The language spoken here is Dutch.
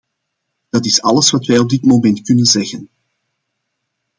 Dat is alles wat wij op dit moment kunnen zeggen.